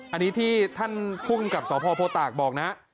อันนี้ที่ท่านภูมิกับสพโพตากบอกนะ